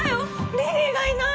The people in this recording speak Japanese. リリーがいない！